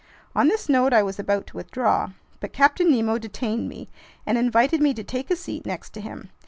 On this note I was about to withdraw; but Captain Nemo detained me and invited me to take a seat next to him.